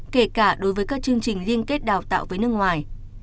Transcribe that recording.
kể cả đối với các chương trình liên kết đào tạo với nước ngoài